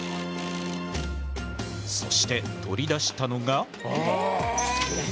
そして取り出したのが。